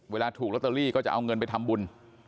เวลาถูกลอตเตอรี่ก็จะเอาเงินไปทำบุญ